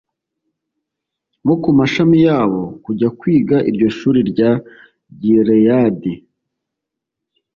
bo ku mashami yabo kujya kwiga iryo shuri rya gileyadi